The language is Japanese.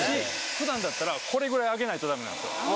普段だったらこれぐらい上げないとダメなんですよ